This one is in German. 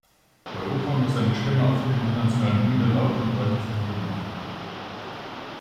Europa muss seine Stimme auf der internationalen Bühne laut und deutlich erheben.